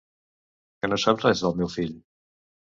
Que no saps res del meu fill?